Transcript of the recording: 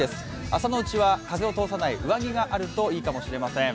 朝のうちは風を通さない上着があるといいかもしれません。